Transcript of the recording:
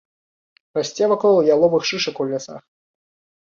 Расце вакол яловых шышак у лясах.